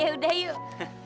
ya udah yuk